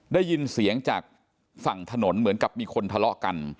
ได้ยินเสียงจากฝั่งถนนเหมือนกับมีคนทะเลาะกัน